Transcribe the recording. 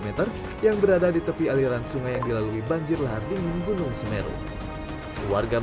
meter yang berada di tepi aliran sungai yang dilalui banjir lahar dingin gunung semeru warga